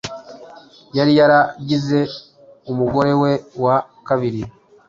yari yaragize umugore we wa kabiri,